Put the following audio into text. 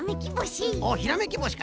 おっひらめきぼしか。